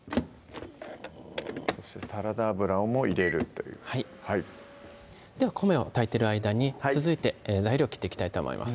そしてサラダ油も入れるというはいでは米を炊いてる間に続いて材料を切っていきたいと思います